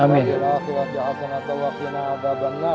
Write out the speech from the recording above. amin ya allah